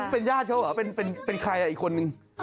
เป็นญาติเขาเหรอเป็นใครอีกคนนึง